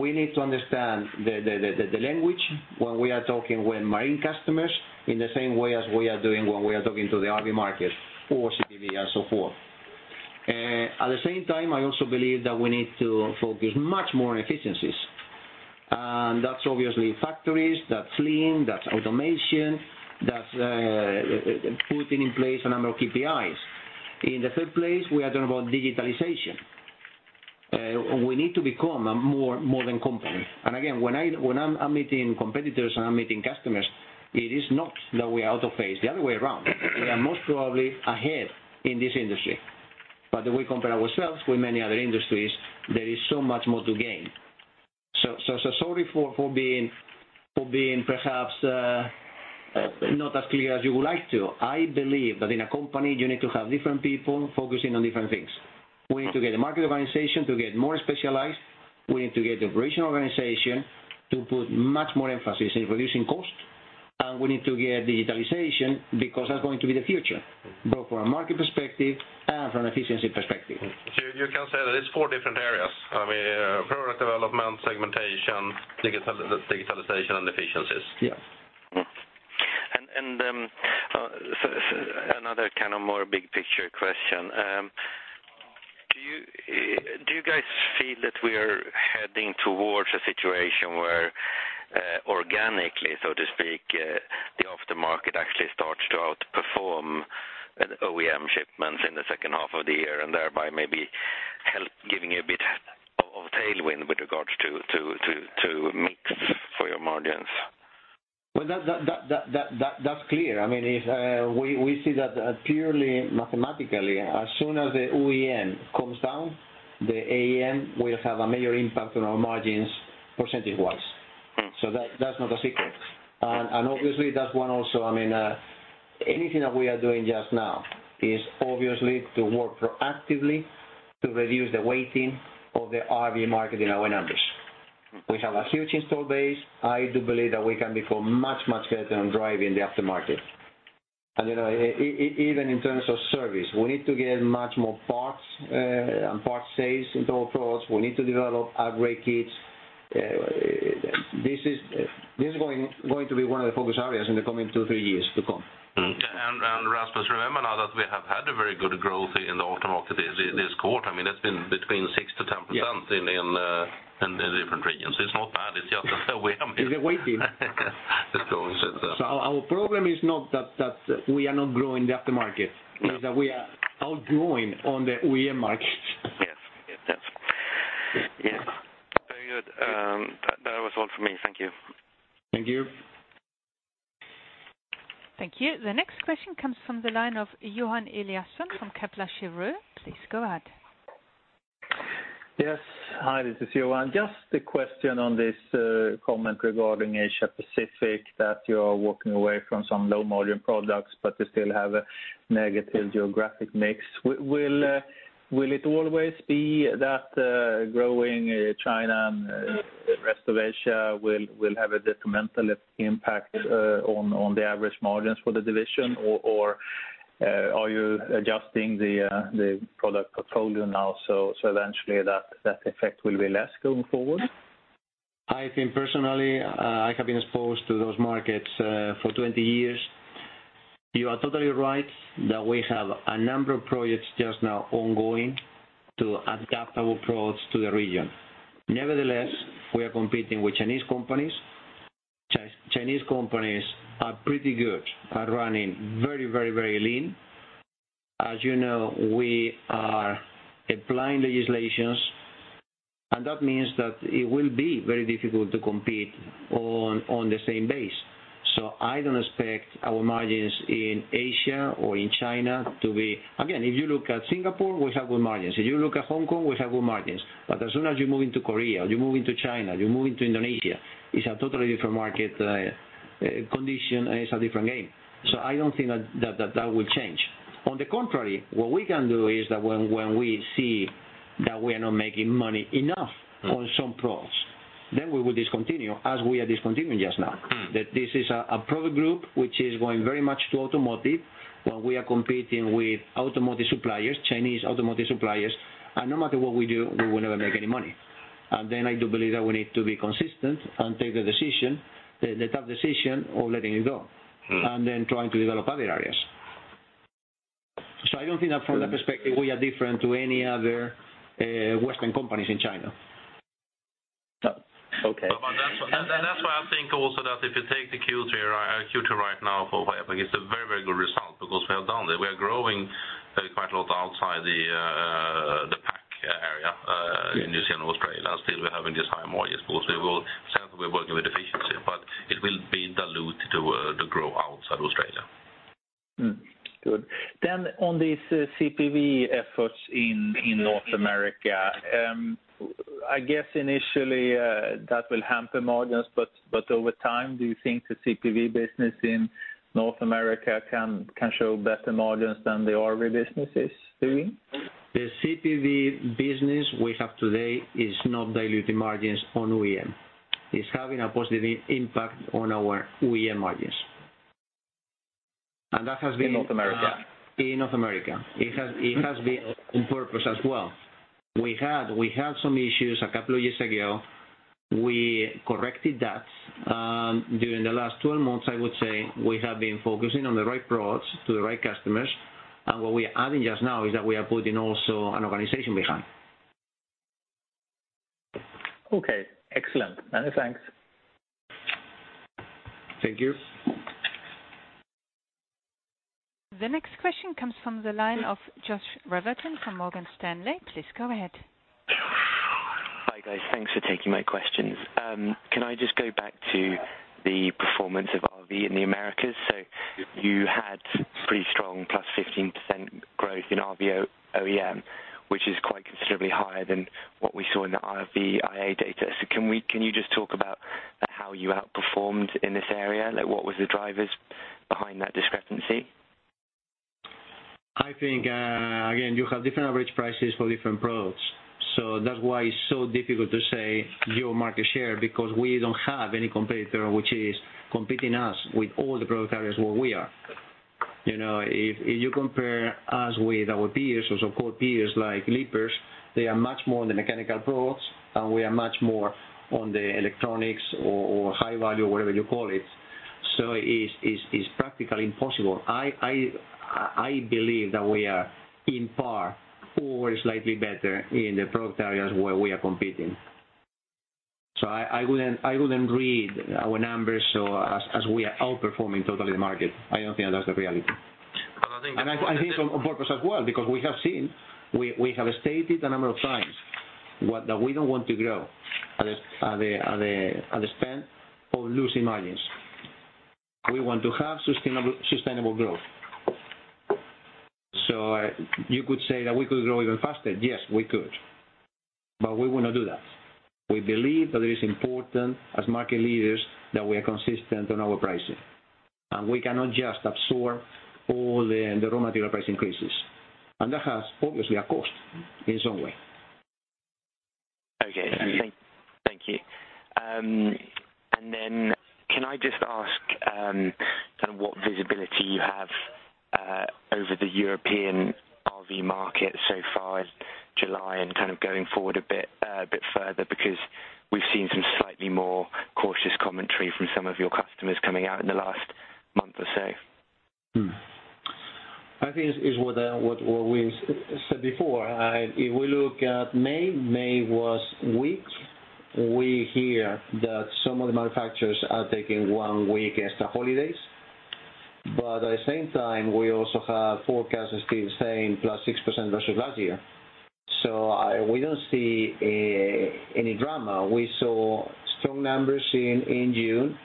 We need to understand the language when we are talking with marine customers in the same way as we are doing when we are talking to the RV market or CPV and so forth. At the same time, I also believe that we need to focus much more on efficiencies. That's obviously factories, that's Lean, that's automation, that's putting in place a number of KPIs. In the third place, we are talking about digitalization. We need to become a more than company. Again, when I'm meeting competitors and I'm meeting customers, it is not that we are out of phase, the other way around. We are most probably ahead in this industry. We compare ourselves with many other industries, there is so much more to gain. Sorry for being perhaps not as clear as you would like to. I believe that in a company, you need to have different people focusing on different things. We need to get a market organization to get more specialized. We need to get the original organization to put much more emphasis in reducing cost. We need to get digitalization because that's going to be the future, both from a market perspective and from an efficiency perspective. You can say that it's four different areas. Product development, segmentation, digitalization, and efficiencies. Yeah. Another kind of more big picture question. Do you guys feel that we are heading towards a situation where organically, so to speak, the aftermarket actually starts to outperform OEM shipments in the second half of the year and thereby maybe help giving you a bit of tailwind with regards to mix for your margins? Well, that's clear. We see that purely mathematically, as soon as the OEM comes down, the AM will have a major impact on our margins percentage-wise. That's not a secret. Obviously that one also. Anything that we are doing just now is obviously to work proactively to reduce the weighting of the RV market in our numbers. We have a huge install base. I do believe that we can become much better in driving the aftermarket. Even in terms of service, we need to get much more parts and parts sales into our products. We need to develop upgrade kits. This is going to be one of the focus areas in the coming two, three years to come. Rasmus, remember now that we have had a very good growth in the aftermarket this quarter. It's been between 6%-10%. Yeah In the different regions. It's not bad. It's just that we have been. It's the weighting. Our problem is not that we are not growing the aftermarket. Yes. It's that we are outgrowing on the OEM market. Yes. Very good. That was all for me. Thank you. Thank you. Thank you. The next question comes from the line of Johan Eliasson from Kepler Cheuvreux. Please go ahead. Yes. Hi, this is Johan. Just a question on this comment regarding Asia Pacific, that you are walking away from some low-margin products, but you still have a negative geographic mix. Will it always be that growing China and the rest of Asia will have a detrimental impact on the average margins for the division, or are you adjusting the product portfolio now, so eventually that effect will be less going forward? Personally, I have been exposed to those markets for 20 years. You are totally right that we have a number of projects just now ongoing to adapt our products to the region. Nevertheless, we are competing with Chinese companies. Chinese companies are pretty good, are running very Lean. As you know, we are applying legislations, that means that it will be very difficult to compete on the same base. I don't expect our margins in Asia or in China. Again, if you look at Singapore, we have good margins. If you look at Hong Kong, we have good margins. As soon as you move into Korea, you move into China, you move into Indonesia, it's a totally different market condition, and it's a different game. I don't think that will change. On the contrary, what we can do is that when we see that we are not making money enough on some products, then we will discontinue as we are discontinuing just now. That this is a product group which is going very much to automotive, where we are competing with automotive suppliers, Chinese automotive suppliers, and no matter what we do, we will never make any money. I do believe that we need to be consistent and take the decision, the tough decision of letting it go. We are trying to develop other areas. I don't think that from that perspective, we are different to any other Western companies in China. Okay. That's why I think also that if you take the Q2 right now for APAC, it's a very good result because we have done that. We are growing quite a lot outside the APAC area. In New Zealand, Australia, still we're having these high margins because certainly, we're working with efficiency, but it will be dilutive to grow outside Australia. Good. On these CPV efforts in North America, I guess initially, that will hamper margins. Over time, do you think the CPV business in North America can show better margins than the RV business is doing? The CPV business we have today is not diluting margins on OEM. It's having a positive impact on our OEM margins. In North America? In North America. It has been on purpose as well. We had some issues a couple of years ago. We corrected that. During the last 12 months, I would say, we have been focusing on the right products to the right customers. What we are adding just now is that we are putting also an organization behind. Okay, excellent. Many thanks. Thank you. The next question comes from the line of Joshua Bretherton from Morgan Stanley. Please go ahead. Hi, guys. Thanks for taking my questions. Can I just go back to the performance of RV in the Americas? You had pretty strong +15% growth in RV OEM, which is quite considerably higher than what we saw in the RVIA data. Can you just talk about how you outperformed in this area? What was the drivers behind that discrepancy? I think, again, you have different average prices for different products. That's why it's so difficult to say your market share, because we don't have any competitor which is competing us with all the product areas where we are. If you compare us with our peers or so-called peers like Lippert, they are much more in the mechanical products, and we are much more on the electronics or high value, whatever you call it. It's practically impossible. I believe that we are in par or slightly better in the product areas where we are competing. I wouldn't read our numbers as we are outperforming totally the market. I don't think that's the reality. I think. I think on purpose as well, because we have seen, we have stated a number of times that we don't want to grow at the spend of losing margins. We want to have sustainable growth. You could say that we could grow even faster. Yes, we could. We will not do that. We believe that it is important as market leaders that we are consistent on our pricing. We cannot just absorb all the raw material price increases. That has obviously a cost in some way. Okay. Thank you. Can I just ask what visibility you have over the European RV market so far as July and kind of going forward a bit further? Because we've seen some slightly more cautious commentary from some of your customers coming out in the last month or so. I think it's what we said before. If we look at May was weak. We hear that some of the manufacturers are taking one week extra holidays. At the same time, we also have forecasts still saying plus 6% versus last year. We don't see any drama. We saw strong numbers in June,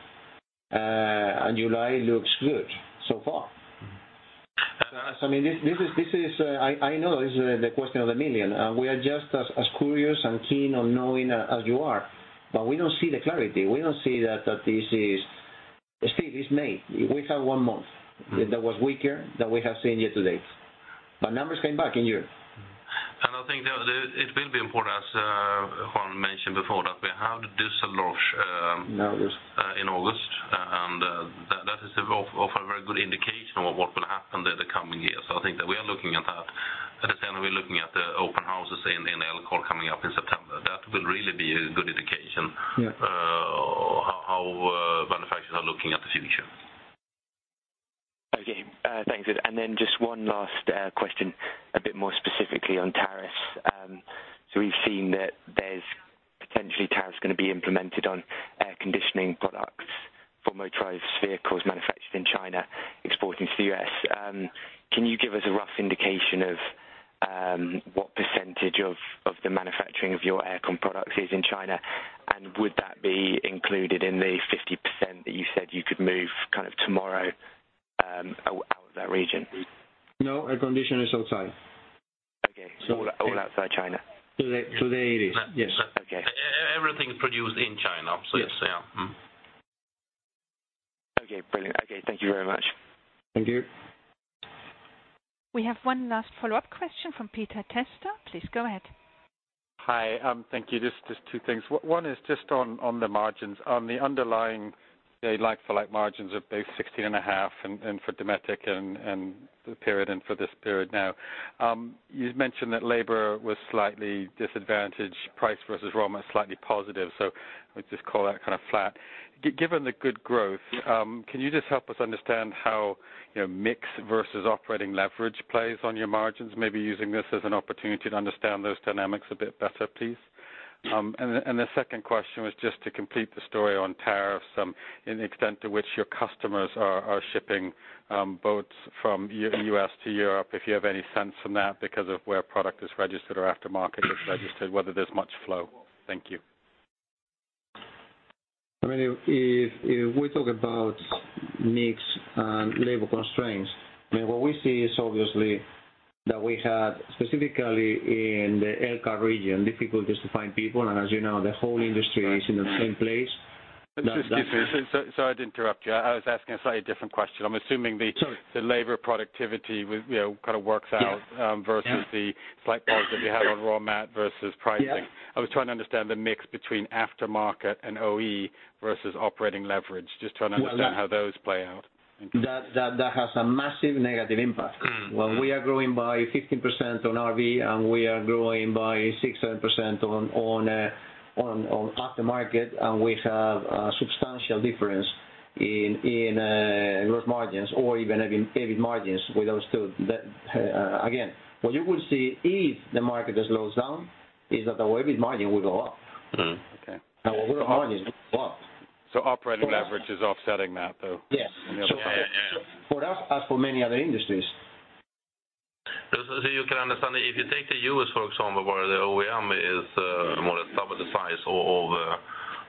July looks good so far. I know this is the question of the million, we are just as curious and keen on knowing as you are. We don't see the clarity. Still, it's May. We have one month that was weaker than we have seen year to date. Numbers came back in June. I think that it will be important, as Juan mentioned before, that we have the Düsseldorf. In August. In August, that is of a very good indication of what will happen there the coming years. I think that we are looking at that. At the same time, we're looking at the open houses in Elkhart coming up in September. That will really be a good indication. Yeah how manufacturers are looking at the future. Okay. Thanks. Then just one last question, a bit more specifically on tariffs. We've seen that there's potentially tariffs going to be implemented on air conditioning products for motorized vehicles manufactured in China, exporting to the U.S. Can you give us a rough indication of what % of the manufacturing of your air con products is in China? Would that be included in the 50% that you said you could move kind of tomorrow out of that region? No, air condition is outside. Okay. All outside China. Today it is, yes. Okay. Everything is produced in China, obviously. Yeah. Okay, brilliant. Okay, thank you very much. Thank you. We have one last follow-up question from Peter Testa. Please go ahead. Hi. Thank you. Just two things. One is just on the margins, on the underlying like-for-like margins of both 16.5% and for Dometic and the period and for this period now. You'd mentioned that labor was slightly disadvantaged, price versus raw much slightly positive. Let's just call that kind of flat. Given the good growth, can you just help us understand how mix versus operating leverage plays on your margins? Maybe using this as an opportunity to understand those dynamics a bit better, please. The second question was just to complete the story on tariffs, and the extent to which your customers are shipping boats from U.S. to Europe. If you have any sense on that because of where product is registered or aftermarket is registered, whether there's much flow. Thank you. If we talk about mix and labor constraints, what we see is obviously that we had specifically in the Elkhart region, difficulties to find people, and as you know, the whole industry is in the same place. Sorry to interrupt you. I was asking a slightly different question. Sorry The labor productivity kind of works out. Yeah Versus the slight positive you have on raw mat versus pricing. Yeah. I was trying to understand the mix between aftermarket and OE versus operating leverage. Just trying to understand how those play out. That has a massive negative impact. When we are growing by 15% on RV, and we are growing by 6, 7% on aftermarket, and we have a substantial difference in gross margins or even EBIT margins with those two. Again, what you will see if the market just slows down is that the EBIT margin will go up. Okay. Our raw margin is what? Operating leverage is offsetting that, though. Yes. Yeah. For us, as for many other industries. You can understand, if you take the U.S., for example, where the OEM is more or less double the size of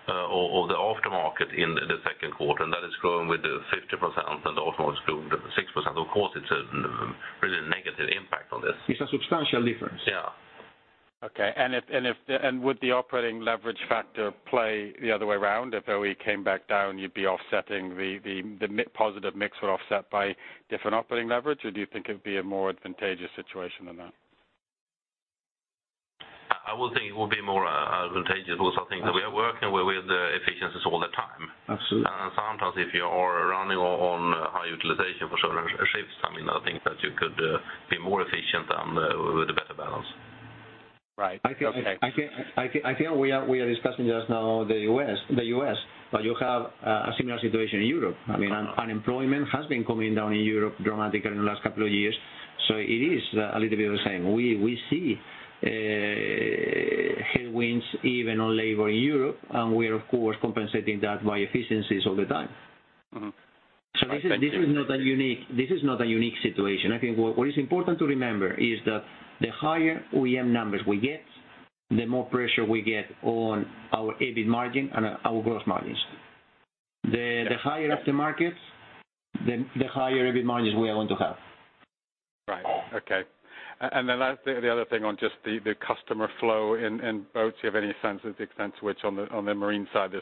the aftermarket in the second quarter, and that is growing with 50%, and the aftermarket is growing with 6%. Of course, it's a really negative impact on this. It's a substantial difference. Yeah. Okay. Would the operating leverage factor play the other way around? If OE came back down, you'd be offsetting the positive mix would offset by different operating leverage? Or do you think it would be a more advantageous situation than that? I would think it would be more advantageous also. I think that we are working with the efficiencies all the time. Absolutely. Sometimes if you are running on high utilization for certain shifts, I think that you could be more efficient and with a better balance. Right. Okay. I feel we are discussing just now the U.S., but you have a similar situation in Europe. Unemployment has been coming down in Europe dramatically in the last couple of years. It is a little bit of the same. We see headwinds even on labor in Europe, and we are, of course, compensating that by efficiencies all the time. this is not a unique situation. I think what is important to remember is that the higher OEM numbers we get, the more pressure we get on our EBIT margin and our gross margins. The higher aftermarket, the higher EBIT margins we are going to have. Right. Okay. The other thing on just the customer flow in boats, you have any sense of the extent to which on the marine side,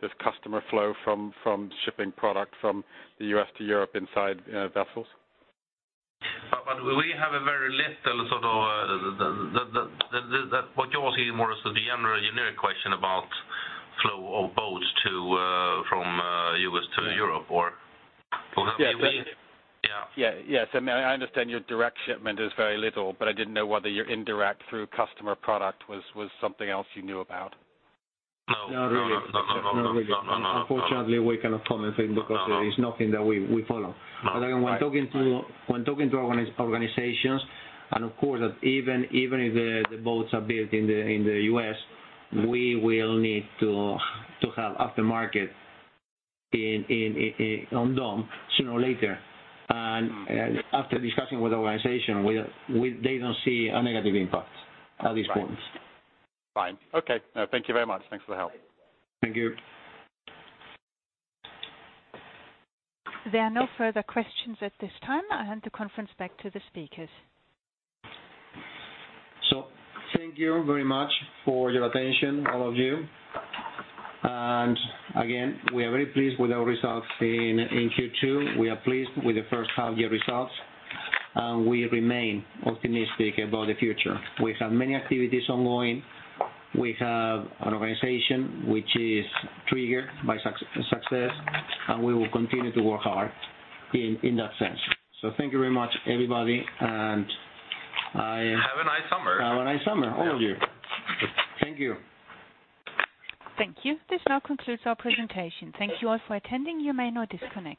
there's customer flow from shipping product from the U.S. to Europe inside vessels? We have a very little sort of What you are asking more is the general engineering question about flow of boats from the U.S. to Europe, or? Yeah. Yeah. Yes. I understand your direct shipment is very little, but I didn't know whether your indirect through customer product was something else you knew about. No. Not really. No. Unfortunately, we cannot comment because it is nothing that we follow. Again, when talking to organizations, and of course, that even if the boats are built in the U.S., we will need to have aftermarket on them sooner or later. After discussing with the organization, they don't see a negative impact at this point. Fine. Okay. Thank you very much. Thanks for the help. Thank you. There are no further questions at this time. I hand the conference back to the speakers. Thank you very much for your attention, all of you. Again, we are very pleased with our results in Q2. We are pleased with the first half-year results. We remain optimistic about the future. We have many activities ongoing. We have an organization which is triggered by success. We will continue to work hard in that sense. Thank you very much, everybody. Have a nice summer. Have a nice summer, all of you. Thank you. Thank you. This now concludes our presentation. Thank you all for attending. You may now disconnect.